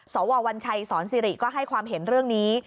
สววัญชัยสอนสิริก็ให้ความเห็นเรื่องนี้